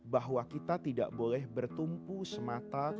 bahwa kita tidak boleh bertumpu semata kepada amal perbuatan kita